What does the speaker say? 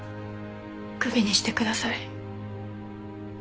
首にしてください。